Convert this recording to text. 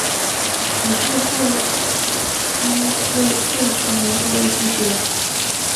理事会因为措辞模糊而拒绝。